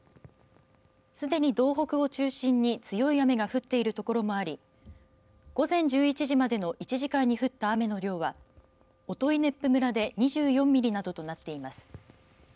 すでに道北を中心に強い雨が降っているところもあり午前１１時までの１時間に降った雨の量は音威子府村で２４ミリなどとなっています。